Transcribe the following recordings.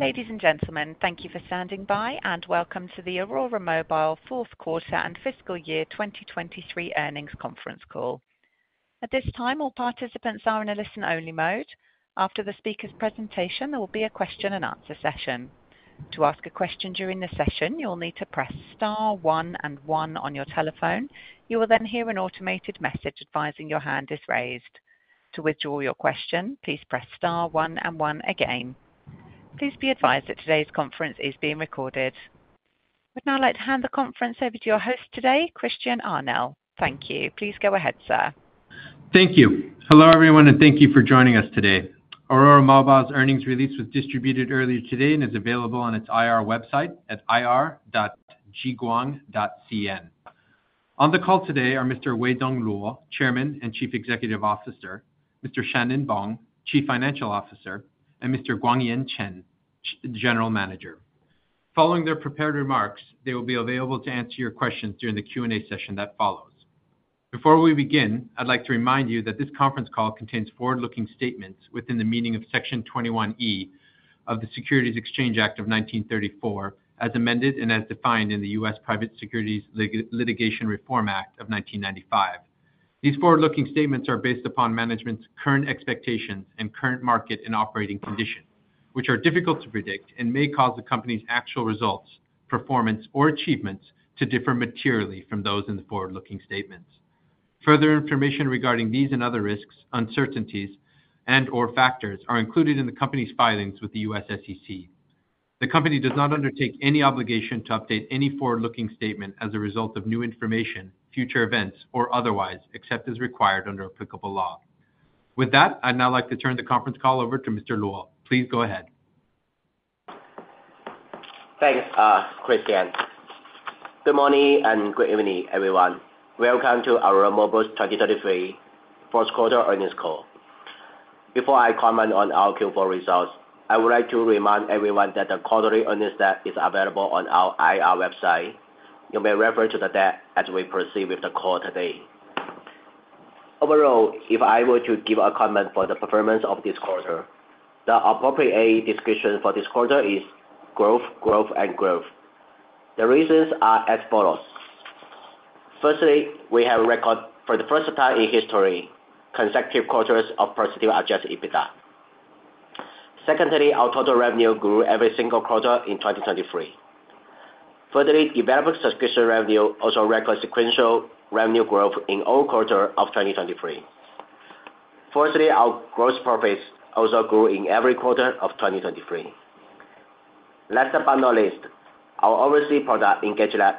Ladies and gentlemen, thank you for standing by, and welcome to the Aurora Mobile Q4 and fiscal year 2023 earnings conference call. At this time, all participants are in a listen-only mode. After the speaker's presentation, there will be a question-and-answer session. To ask a question during the session, you'll need to press star one and one on your telephone. You will then hear an automated message advising your hand is raised. To withdraw your question, please press star one and one again. Please be advised that today's conference is being recorded. I'd now like to hand the conference over to your host today, Christian Arnell. Thank you. Please go ahead, sir. Thank you. Hello, everyone, and thank you for joining us today. Aurora Mobile's earnings release was distributed earlier today and is available on its IR website at ir.jiguang.cn. On the call today are Mr. Weidong Luo, Chairman and Chief Executive Officer, Mr. Shan-Nen Bong, Chief Financial Officer, and Mr. Guangyan Chen, General Manager. Following their prepared remarks, they will be available to answer your questions during the Q&A session that follows. Before we begin, I'd like to remind you that this conference call contains forward-looking statements within the meaning of Section 21E of the Securities Exchange Act of 1934, as amended and as defined in the U.S. Private Securities Litigation Reform Act of 1995. These forward-looking statements are based upon management's current expectations and current market and operating conditions, which are difficult to predict and may cause the company's actual results, performance, or achievements to differ materially from those in the forward-looking statements. Further information regarding these and other risks, uncertainties, and/or factors are included in the company's filings with the U.S. SEC. The company does not undertake any obligation to update any forward-looking statement as a result of new information, future events, or otherwise, except as required under applicable law. With that, I'd now like to turn the conference call over to Mr. Luo. Please go ahead. Thanks, Christian. Good morning and good evening, everyone. Welcome to Aurora Mobile's 2023 Q4 earnings call. Before I comment on our Q4 results, I would like to remind everyone that the quarterly earnings deck is available on our IR website. You may refer to the deck as we proceed with the call today. Overall, if I were to give a comment for the performance of this quarter, the appropriate AI description for this quarter is growth, growth, and growth. The reasons are as follows: firstly, we have record for the first time in history, consecutive quarters of positive Adjusted EBITDA. Secondly, our total revenue grew every single quarter in 2023. Thirdly, developer subscription revenue also record sequential revenue growth in all quarter of 2023. Fourthly, our gross profits also grew in every quarter of 2023. Last but not least, our overseas product, EngageLab,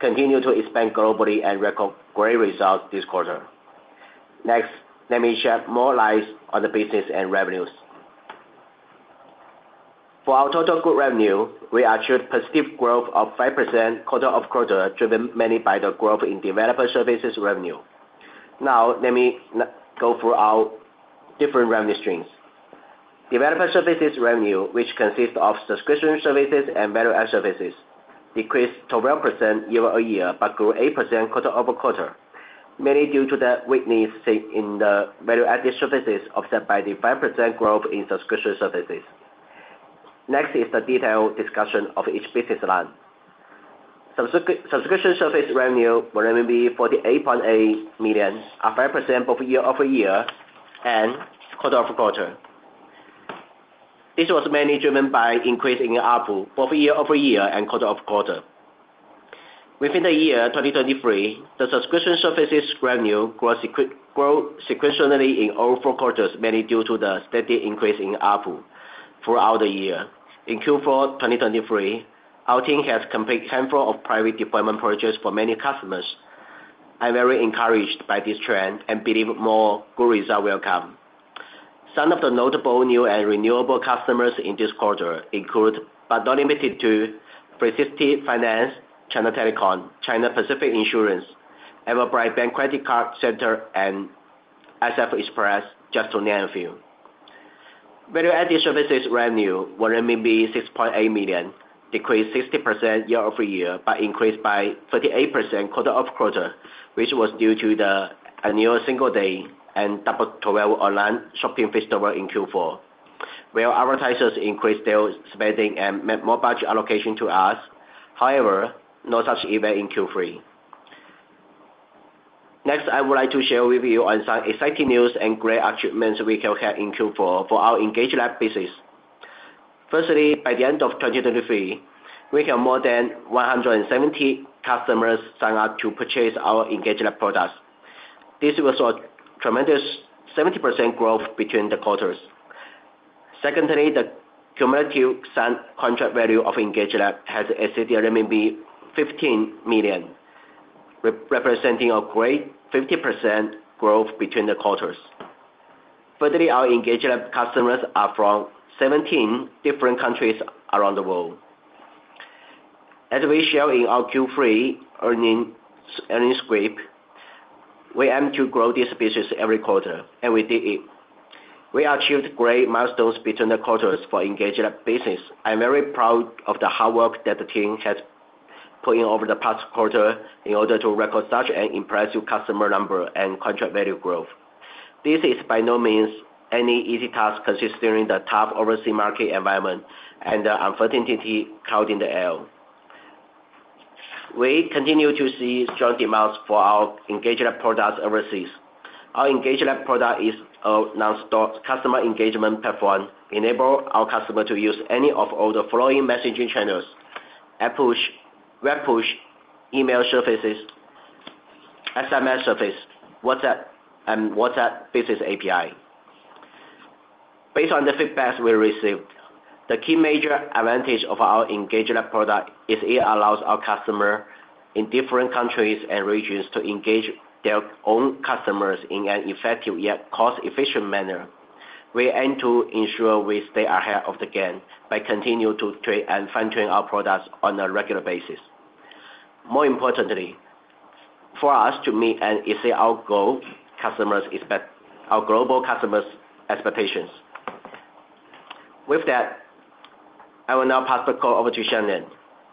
continued to expand globally and record great results this quarter. Next, let me shed more light on the business and revenues. For our total group revenue, we achieved positive growth of 5% quarter-over-quarter, driven mainly by the growth in developer services revenue. Now, let me go through our different revenue streams. Developer services revenue, which consists of subscription services and value-added services, decreased 12% year-over-year, but grew 8% quarter-over-quarter, mainly due to the weakness in the value-added services, offset by the 5% growth in subscription services. Next is the detailed discussion of each business line. Subscription service revenue were 48.8 million, up 5% both year-over-year and quarter-over-quarter. This was mainly driven by increase in ARPU, both year-over-year and quarter-over-quarter. Within the year 2023, the subscription services revenue grew sequentially in all four quarters, mainly due to the steady increase in ARPU throughout the year. In Q4 2023, our team has completed handful of private deployment projects for many customers. I'm very encouraged by this trend and believe more good results will come. Some of the notable new and renewable customers in this quarter include, but not limited to, Prestige Finance, China Telecom, China Pacific Insurance, Everbright Bank Credit Card Center, and SF Express, just to name a few. Value-added services revenue were 6.8 million, decreased 60% year-over-year, but increased by 38% quarter-over-quarter, which was due to the annual Singles' Day and Double Twelve online shopping festival in Q4, where advertisers increased their spending and made more budget allocation to us. However, no such event in Q3. Next, I would like to share with you on some exciting news and great achievements we have had in Q4 for our EngageLab business. Firstly, by the end of 2023, we have more than 170 customers sign up to purchase our EngageLab products. This was a tremendous 70% growth between the quarters. Secondly, the cumulative signed contract value of EngageLab has exceeded 15 million, representing a great 50% growth between the quarters. Thirdly, our EngageLab customers are from 17 different countries around the world. As we shared in our Q3 earnings script, we aim to grow this business every quarter, and we did it. We achieved great milestones between the quarters for EngageLab business. I'm very proud of the hard work that the team has... Putting over the past quarter in order to record such an impressive customer number and contract value growth. This is by no means any easy task, considering the tough overseas market environment and the uncertainty cloud in the air. We continue to see strong demands for our engagement products overseas. Our engagement product is a non-stop customer engagement platform, enable our customer to use any of all the following messaging channels: Apple Push, Web Push, email services, SMS service, WhatsApp, and WhatsApp Business API. Based on the feedbacks we received, the key major advantage of our engagement product is it allows our customer in different countries and regions to engage their own customers in an effective, yet cost-efficient manner. We aim to ensure we stay ahead of the game by continuing to train and fine-tune our products on a regular basis. More importantly, for us to meet and exceed our goal, customers expect, our global customers' expectations. With that, I will now pass the call over to Shan-Nen,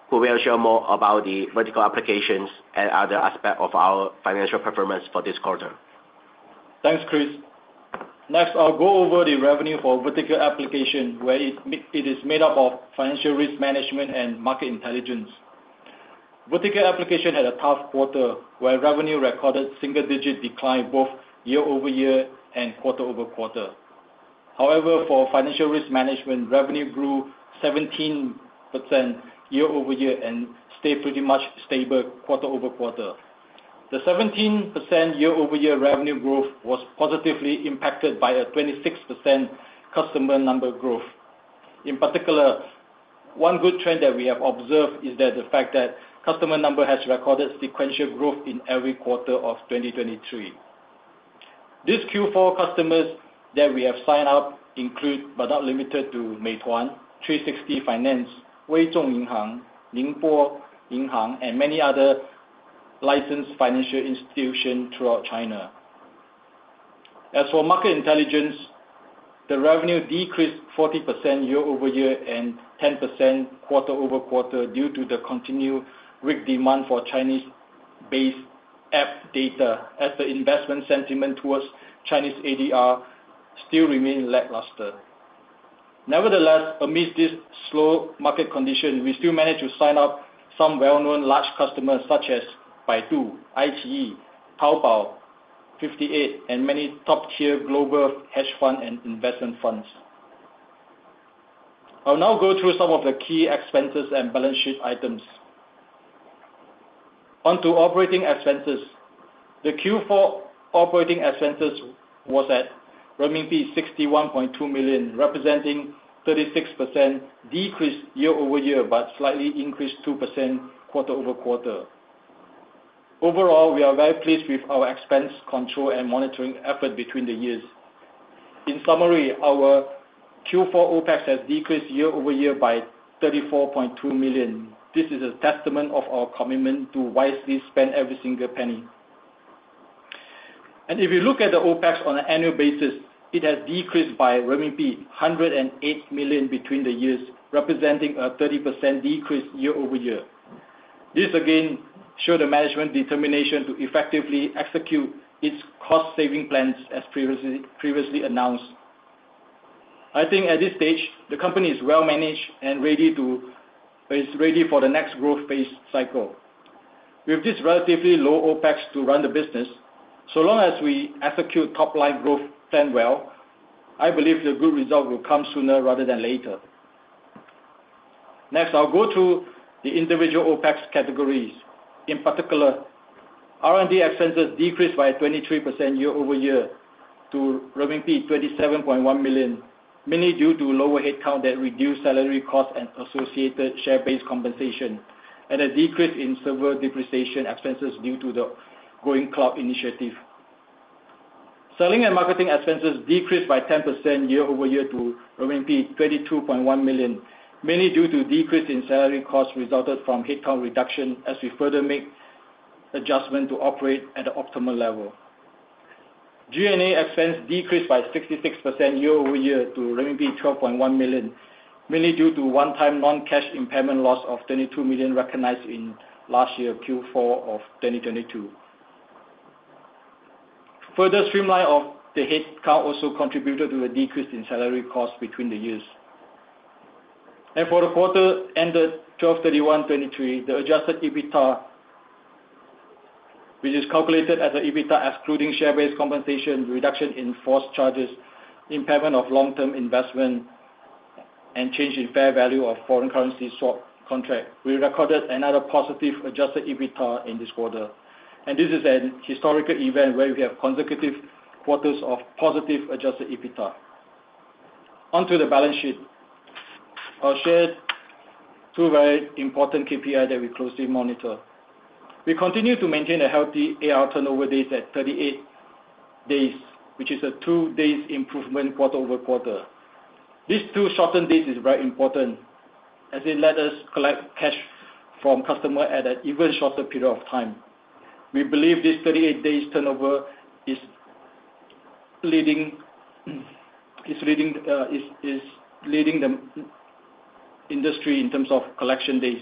who will share more about the vertical applications and other aspects of our financial performance for this quarter. Thanks, Chris. Next, I'll go over the revenue for vertical application, where it is made up of Financial Risk Management and Market Intelligence. Vertical application had a tough quarter, where revenue recorded single-digit decline both year-over-year and quarter-over-quarter. However, for Financial Risk Management, revenue grew 17% year-over-year and stayed pretty much stable quarter-over-quarter. The 17% year-over-year revenue growth was positively impacted by a 26% customer number growth. In particular, one good trend that we have observed is that the fact that customer number has recorded sequential growth in every quarter of 2023. These Q4 customers that we have signed up include, but not limited to, Meituan, 360 Finance, WeBank, Bank of Ningbo Yinghang, and many other licensed financial institution throughout China. As for Market Intelligence, the revenue decreased 40% year-over-year and 10% quarter-over-quarter due to the continued weak demand for Chinese-based app data, as the investment sentiment towards Chinese ADR still remain lackluster. Nevertheless, amidst this slow market condition, we still managed to sign up some well-known large customers such as Baidu, iQiyi, Taobao, 58, and many top-tier global hedge fund and investment funds. I'll now go through some of the key expenses and balance sheet items. On to operating expenses. The Q4 operating expenses was at renminbi 61.2 million, representing 36% decrease year-over-year, but slightly increased 2% quarter-over-quarter. Overall, we are very pleased with our expense control and monitoring effort between the years. In summary, our Q4 OpEx has decreased year-over-year by 34.2 million. This is a testament of our commitment to wisely spend every single penny. If you look at the OpEx on an annual basis, it has decreased by RMB 108 million between the years, representing a 30% decrease year-over-year. This again, show the management determination to effectively execute its cost-saving plans, as previously announced. I think at this stage, the company is well-managed and is ready for the next growth phase cycle. With this relatively low OpEx to run the business, so long as we execute top-line growth plan well, I believe the good result will come sooner rather than later. Next, I'll go through the individual OpEx categories. In particular, R&D expenses decreased by 23% year-over-year to 27.1 million, mainly due to lower headcount that reduced salary costs and associated share-based compensation, and a decrease in server depreciation expenses due to the growing cloud initiative. Selling and marketing expenses decreased by 10% year-over-year to 22.1 million, mainly due to decrease in salary costs resulted from headcount reduction as we further make adjustment to operate at an optimal level. G&A expense decreased by 66% year-over-year to RMB 12.1 million, mainly due to one-time non-cash impairment loss of 22 million recognized in last year, Q4 of 2022. Further streamline of the headcount also contributed to a decrease in salary costs between the years. For the quarter ended 12/31/2023, the adjusted EBITDA, which is calculated as an EBITDA excluding share-based compensation, reduction in force charges, impairment of long-term investment, and change in fair value of foreign currency swap contract. We recorded another positive adjusted EBITDA in this quarter, and this is an historical event where we have consecutive quarters of positive adjusted EBITDA. On to the balance sheet, I'll share two very important KPI that we closely monitor. We continue to maintain a healthy AR turnover days at 38 days, which is a two days improvement quarter-over-quarter. These two shortened days is very important, as it let us collect cash from customer at an even shorter period of time. We believe this 38 days turnover is leading the industry in terms of collection days.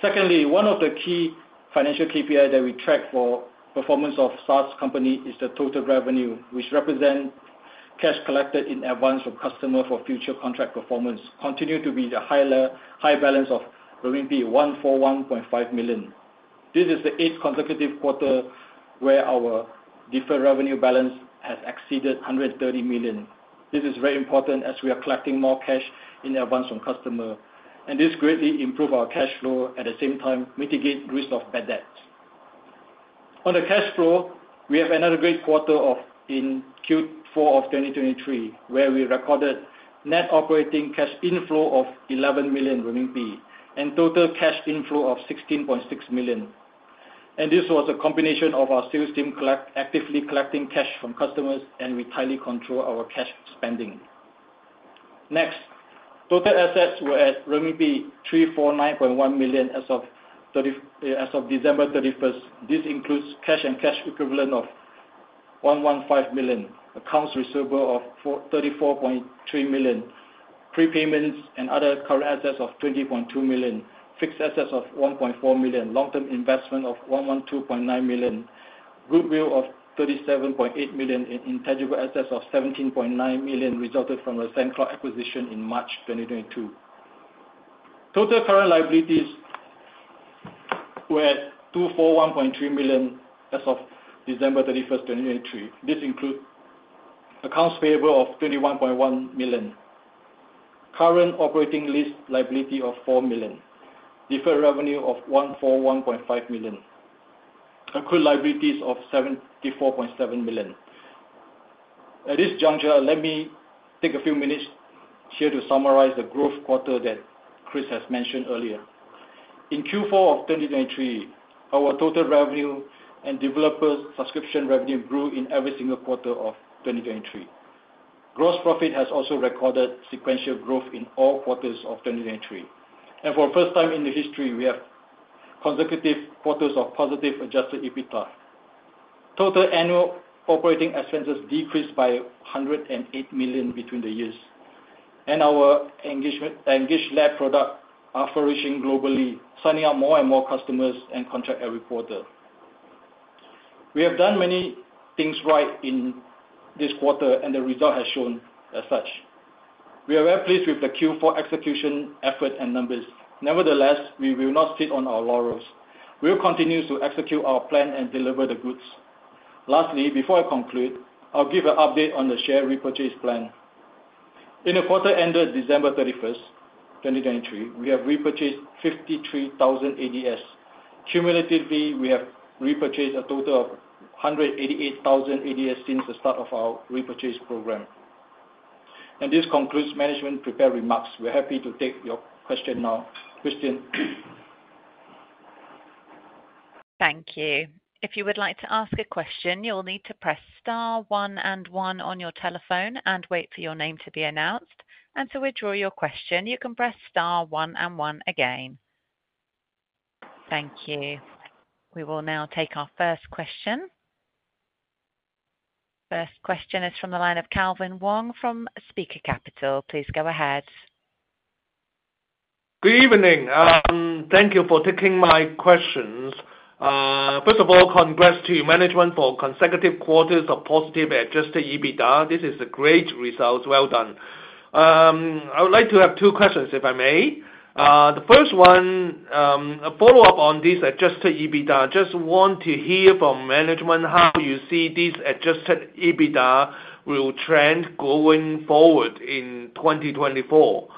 Secondly, one of the key financial KPI that we track for performance of SaaS company is the deferred revenue, which represent cash collected in advance from customer for future contract performance, continue to be the high balance of 141.5 million. This is the eighth consecutive quarter where our deferred revenue balance has exceeded 130 million. This is very important as we are collecting more cash in advance from customer, and this greatly improve our cash flow, at the same time mitigate risk of bad debts. On the cash flow, we have another great quarter of, in Q4 of 2023, where we recorded net operating cash inflow of 11 million RMB, and total cash inflow of 16.6 million. And this was a combination of our sales team actively collecting cash from customers, and we tightly control our cash spending. Next, total assets were at renminbi 349.1 million as of December 31st. This includes cash and cash equivalents of $115 million, accounts receivable of $44.3 million, prepayments and other current assets of $20.2 million, fixed assets of $1.4 million, long-term investment of $112.9 million, goodwill of $37.8 million, and intangible assets of $17.9 million resulted from the SendCloud acquisition in March 2022. Total current liabilities were at $241.3 million as of December 31st, 2023. This includes accounts payable of $21.1 million, current operating lease liability of $4 million, deferred revenue of $141.5 million, accrued liabilities of $74.7 million. At this juncture, let me take a few minutes here to summarize the growth quarter that Chris has mentioned earlier. In Q4 of 2023, our total revenue and developer subscription revenue grew in every single quarter of 2023. Gross profit has also recorded sequential growth in all quarters of 2023, and for the first time in the history, we have consecutive quarters of positive adjusted EBITDA. Total annual operating expenses decreased by $108 million between the years, and our EngageLab product is flourishing globally, signing up more and more customers and contracts every quarter. We have done many things right in this quarter, and the result has shown as such. We are very pleased with the Q4 execution, effort, and numbers. Nevertheless, we will not sit on our laurels. We'll continue to execute our plan and deliver the goods. Lastly, before I conclude, I'll give an update on the share repurchase plan. In the quarter ended December 31st, 2023, we have repurchased 53,000 ADSs. Cumulatively, we have repurchased a total of 188,000 ADSs since the start of our repurchase program. This concludes management's prepared remarks. We're happy to take your question now. Christian? Thank you. If you would like to ask a question, you'll need to press star one and one on your telephone and wait for your name to be announced. To withdraw your question, you can press star one and one again. Thank you. We will now take our first question. First question is from the line of Calvin Wong from Spica Capital. Please go ahead. Good evening, thank you for taking my questions. First of all, congrats to management for consecutive quarters of positive Adjusted EBITDA. This is a great result. Well done. I would like to have two questions, if I may. The first one, a follow-up on this Adjusted EBITDA. Just want to hear from management how you see this Adjusted EBITDA will trend going forward in 2024.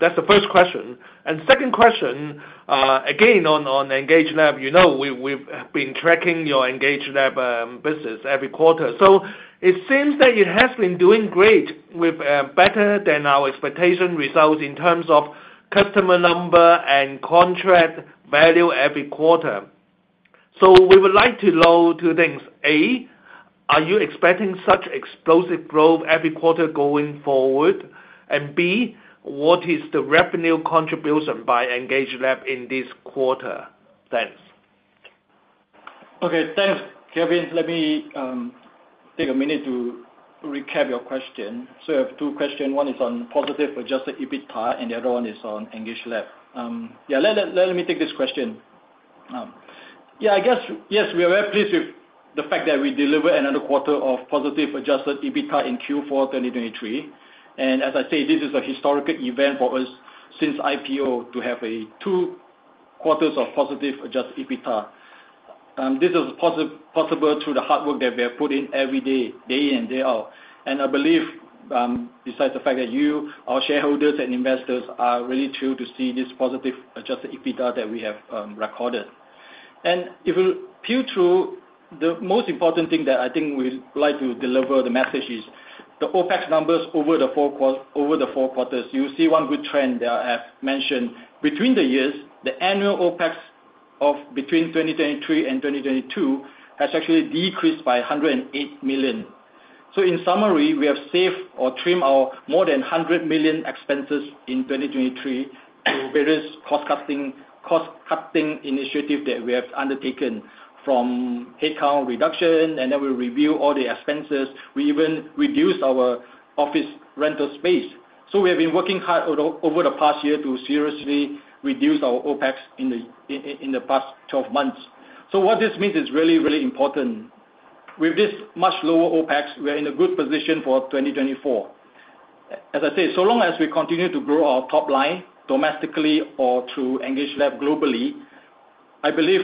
That's the first question. And second question, again, on, on EngageLab, you know, we've, we've been tracking your EngageLab, business every quarter. So it seems that it has been doing great with, better than our expectation results in terms of customer number and contract value every quarter. So we would like to know two things: A, are you expecting such explosive growth every quarter going forward? B, what is the revenue contribution by EngageLab in this quarter? Thanks. Okay. Thanks, Calvin. Let me take a minute to recap your question. So you have two question. One is on positive Adjusted EBITDA, and the other one is on EngageLab. Yeah, let me take this question. Yeah, I guess, yes, we are very pleased with the fact that we delivered another quarter of positive Adjusted EBITDA in Q4 2023. And as I said, this is a historical event for us since IPO, to have two quarters of positive Adjusted EBITDA. This is possible through the hard work that we have put in every day, day in and day out. And I believe, besides the fact that you, our shareholders and investors, are really true to see this positive Adjusted EBITDA that we have recorded. If we peel through, the most important thing that I think we'd like to deliver the message is, the OpEx numbers over the four quarters, you'll see one good trend that I have mentioned. Between the years, the annual OpEx between 2023 and 2022 has actually decreased by $108 million. So in summary, we have saved or trimmed our more than $100 million expenses in 2023, various cost cutting, cost cutting initiatives that we have undertaken, from headcount reduction, and then we review all the expenses. We even reduced our office rental space. So we have been working hard over the past year to seriously reduce our OpEx in the past 12 months. So what this means is really, really important. With this much lower OpEx, we are in a good position for 2024. As I said, so long as we continue to grow our top line domestically or through EngageLab globally, I believe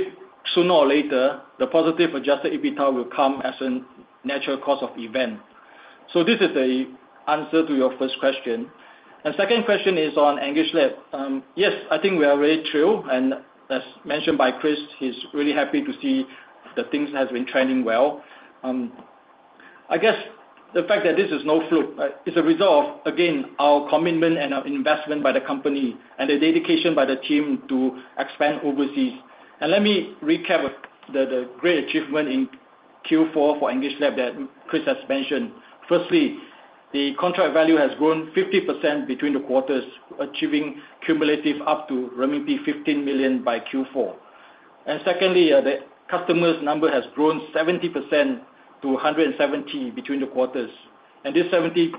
sooner or later, the positive adjusted EBITDA will come as a natural course of event. So this is the answer to your first question. Second question is on EngageLab. Yes, I think we are very true, and as mentioned by Chris, he's really happy to see that things have been trending well. I guess the fact that this is no fluke is a result of, again, our commitment and our investment by the company and the dedication by the team to expand overseas. Let me recap the great achievement in Q4 for EngageLab that Chris has mentioned. Firstly, the contract value has grown 50% between the quarters, achieving cumulative up to renminbi 15 million by Q4. And secondly, the customers number has grown 70% to 170 between the quarters, and this 70%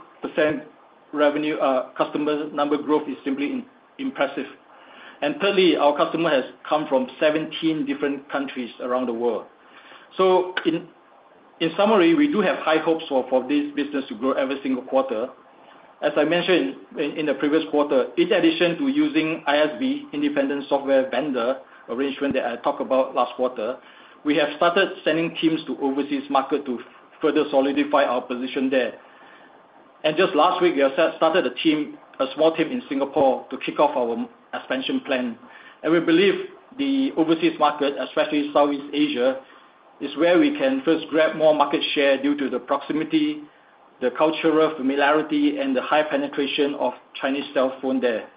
revenue, customer number growth is simply impressive. And thirdly, our customer has come from 17 different countries around the world. So in summary, we do have high hopes for this business to grow every single quarter. As I mentioned in the previous quarter, in addition to using ISV, independent software vendor, arrangement that I talked about last quarter, we have started sending teams to overseas market to further solidify our position there. And just last week, we have started a team, a small team in Singapore to kick off our expansion plan. We believe the overseas market, especially Southeast Asia, is where we can first grab more market share due to the proximity, the cultural familiarity, and the high penetration of Chinese cell phone there.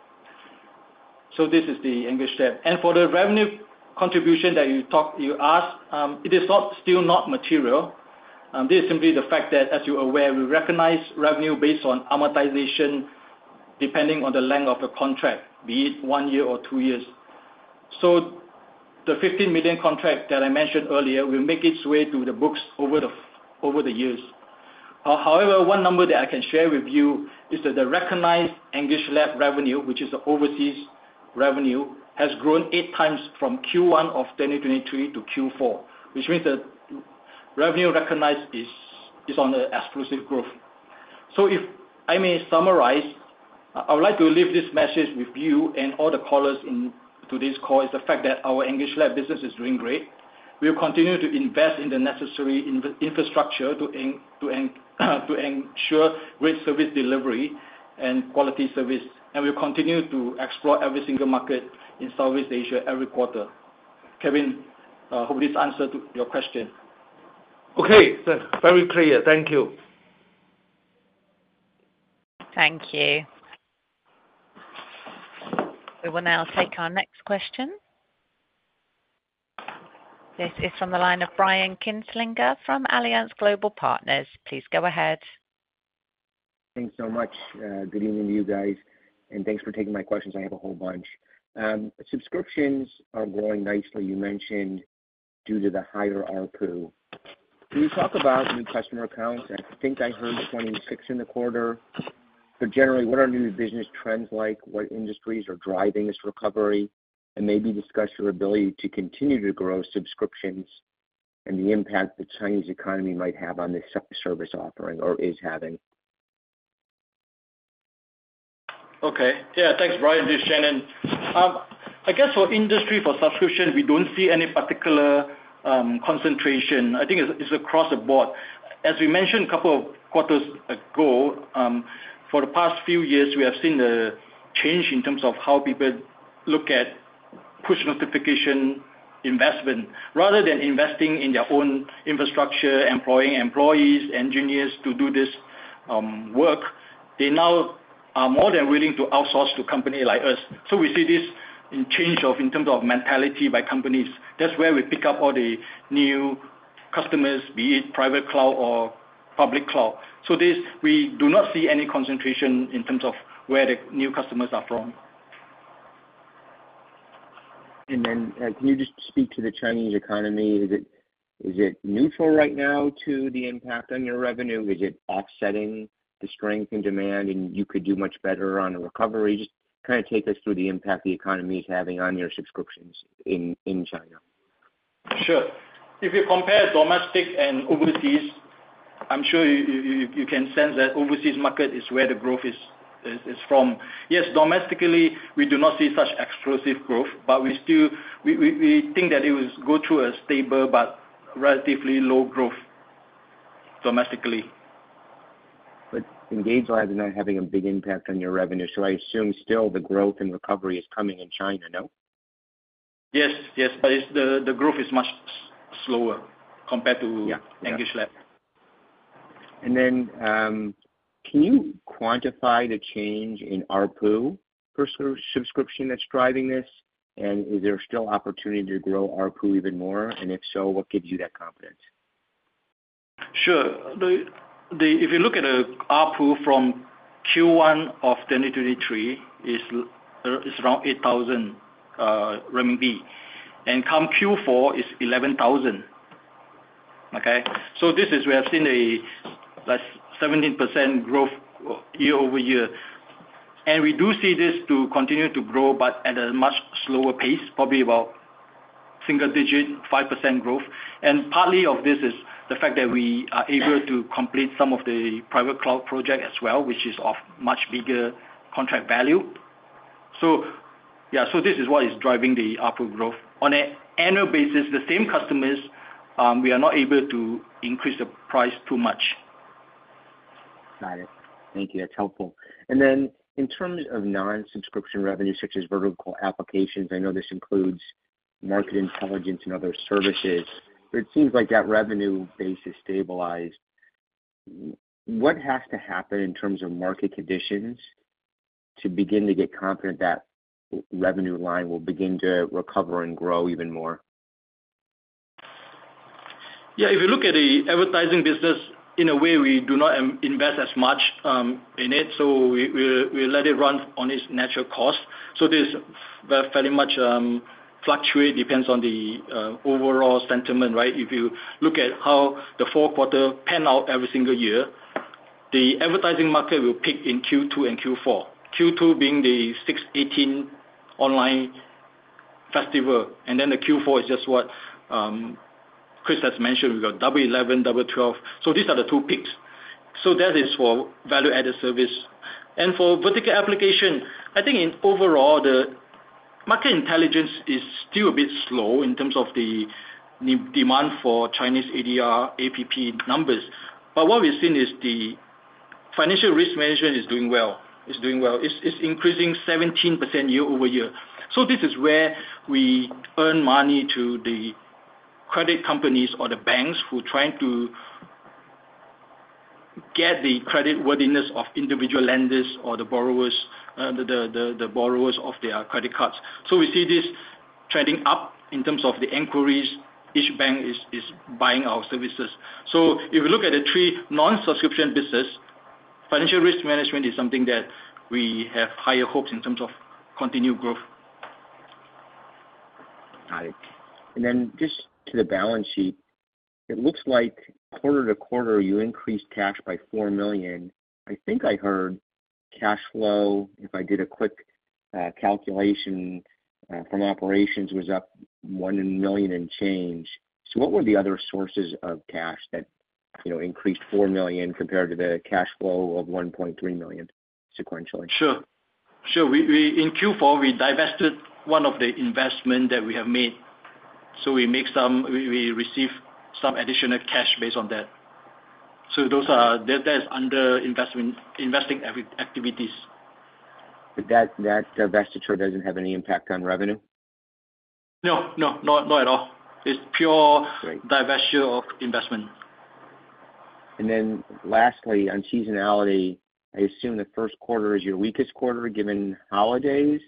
This is the EngageLab. For the revenue contribution that you talked, you asked, it is not, still not material. This is simply the fact that, as you're aware, we recognize revenue based on amortization, depending on the length of the contract, be it one year or two years. The $15 million contract that I mentioned earlier will make its way through the books over the, over the years. However, one number that I can share with you is that the recognized EngageLab revenue, which is the overseas revenue, has grown eight times from Q1 of 2023 to Q4, which means the revenue recognized is on an explosive growth. So if I may summarize, I would like to leave this message with you and all the callers in to this call, is the fact that our EngageLab business is doing great. We'll continue to invest in the necessary infrastructure to ensure great service delivery and quality service, and we'll continue to explore every single market in Southeast Asia every quarter. Kevin, hope this answered your question. Okay, sir. Very clear. Thank you. Thank you. We will now take our next question. This is from the line of Brian Kinstlinger from Alliance Global Partners. Please go ahead. Thanks so much. Good evening to you guys, and thanks for taking my questions. I have a whole bunch. Subscriptions are growing nicely, you mentioned, due to the higher ARPU. Can you talk about the new customer accounts? I think I heard 26 in the quarter. But generally, what are new business trends like? What industries are driving this recovery? And maybe discuss your ability to continue to grow subscriptions and the impact the Chinese economy might have on this service offering or is having. Okay. Yeah, thanks, Brian. This is Shannon. I guess for industry, for subscription, we don't see any particular concentration. I think it's, it's across the board. As we mentioned a couple of quarters ago, for the past few years, we have seen a change in terms of how people look at push notification investment. Rather than investing in their own infrastructure, employing employees, engineers to do this work, they now are more than willing to outsource to company like us. So we see this in change of, in terms of mentality by companies. That's where we pick up all the new customers, be it private cloud or public cloud. So this, we do not see any concentration in terms of where the new customers are from. Can you just speak to the Chinese economy? Is it neutral right now to the impact on your revenue? Is it offsetting the strength and demand, and you could do much better on the recovery? Just kind of take us through the impact the economy is having on your subscriptions in China. Sure. If you compare domestic and overseas, I'm sure you can sense that overseas market is where the growth is from. Yes, domestically, we do not see such explosive growth, but we still think that it will go through a stable but relatively low growth domestically. But EngageLab is not having a big impact on your revenue, so I assume still the growth and recovery is coming in China, no? Yes, yes, but it's the growth is much slower compared to- Yeah. - EngageLab. Can you quantify the change in ARPU per subscription that's driving this? And is there still opportunity to grow ARPU even more? And if so, what gives you that confidence? Sure. If you look at ARPU from Q1 of 2023, is around 8,000 renminbi. And come Q4, is 11,000. Okay? So this is we have seen 17% growth year-over-year. And we do see this to continue to grow, but at a much slower pace, probably about single digit, 5% growth. And partly of this is the fact that we are able to complete some of the private cloud project as well, which is of much bigger contract value. So yeah, so this is what is driving the ARPU growth. On an annual basis, the same customers, we are not able to increase the price too much. Got it. Thank you, that's helpful. And then in terms of non-subscription revenue, such as vertical applications, I know this includes Market Intelligence and other services, but it seems like that revenue base is stabilized. What has to happen in terms of market conditions to begin to get confident that revenue line will begin to recover and grow even more? Yeah, if you look at the advertising business, in a way, we do not invest as much in it, so we let it run on its natural cost. So this will fairly much fluctuate, depends on the overall sentiment, right? If you look at how the fourth quarter pan out every single year, the advertising market will peak in Q2 and Q4. Q2 being the 618 online festival, and then the Q4 is just what Chris has mentioned. We've got Double Eleven, Double Twelve. So these are the two peaks. So that is for value-added service. And for vertical application, I think overall, the Market Intelligence is still a bit slow in terms of the demand for Chinese ADR, app numbers. But what we've seen is the Financial Risk Management is doing well, is doing well. It's increasing 17% year-over-year. So this is where we earn money to the credit companies or the banks who are trying to get the creditworthiness of individual lenders or the borrowers, the borrowers of their credit cards. So we see this trending up in terms of the inquiries. Each bank is buying our services. So if you look at the three non-subscription business, Financial Risk Management is something that we have higher hopes in terms of continued growth. Got it. And then just to the balance sheet, it looks like quarter-to-quarter, you increased cash by $4 million. I think I heard cash flow, if I did a quick calculation, from operations, was up $1 million and change. So what were the other sources of cash that, you know, increased $4 million compared to the cash flow of $1.3 million sequentially? Sure. Sure. In Q4, we divested one of the investment that we have made, so we make some. We receive some additional cash based on that. So that is under investing activities. But that divestiture doesn't have any impact on revenue? No, not at all. It's pure- Great. - divestiture of investment. Then lastly, on seasonality, I assume the first quarter is your weakest quarter, given holidays.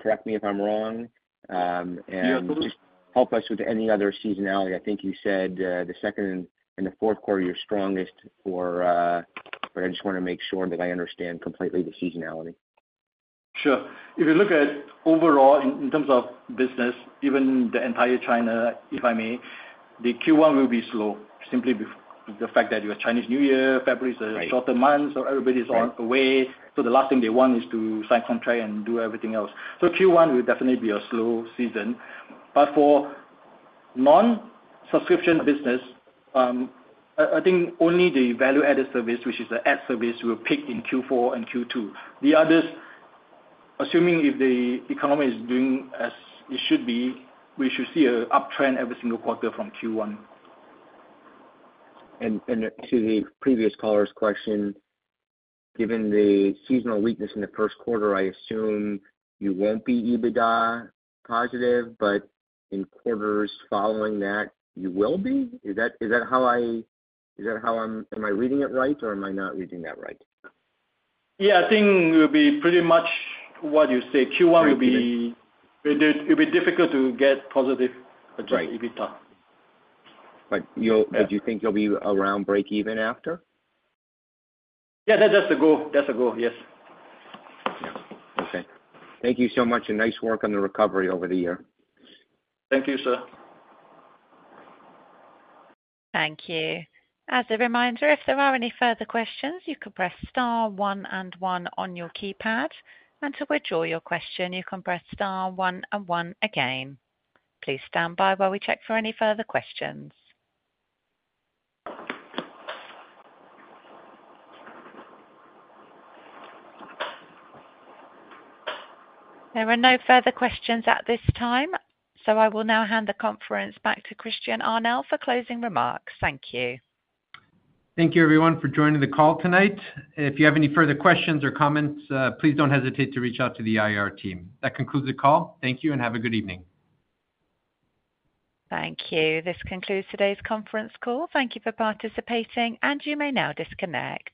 Correct me if I'm wrong. Yeah. Help us with any other seasonality. I think you said the second and the Q4 are your strongest for... But I just wanna make sure that I understand completely the seasonality. Sure. If you look at overall in terms of business, even the entire China, if I may, the Q1 will be slow, simply before the fact that you have Chinese New Year, February is a- Right. Shorter month, so everybody's on away. So the last thing they want is to sign contract and do everything else. So Q1 will definitely be a slow season. But for non-subscription business, I think only the value-added service, which is the ad service, will peak in Q4 and Q2. The others, assuming if the economy is doing as it should be, we should see an uptrend every single quarter from Q1. And to the previous caller's question, given the seasonal weakness in the Q1, I assume you won't be EBITDA positive, but in quarters following that, you will be? Is that how I'm... Am I reading it right, or am I not reading that right? Yeah, I think it will be pretty much what you say. Thank you. Q1 will be, it will be difficult to get positive- Right. - Adjusted EBITDA. But you'll- Yeah. Do you think you'll be around breakeven after? Yeah, that's the goal. That's the goal, yes. Yeah. Okay. Thank you so much, and nice work on the recovery over the year. Thank you, sir. Thank you. As a reminder, if there are any further questions, you can press star one and one on your keypad. And to withdraw your question, you can press star one and one again. Please stand by while we check for any further questions. There are no further questions at this time, so I will now hand the conference back to Christian Arnell for closing remarks. Thank you. Thank you, everyone, for joining the call tonight. If you have any further questions or comments, please don't hesitate to reach out to the IR team. That concludes the call. Thank you, and have a good evening. Thank you. This concludes today's conference call. Thank you for participating, and you may now disconnect.